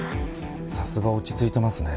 さすが落ち着いてますね。